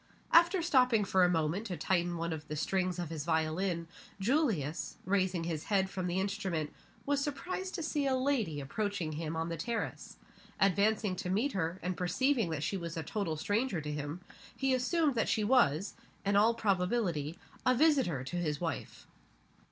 After stopping for a moment to tighten one of the strings of his violin, Julius, raising his head from the instrument, was surprised to see a lady approaching him on the terrace. Advancing to meet her, and perceiving that she was a total stranger to him, he assumed that she was, in all probability, a visitor to his wife.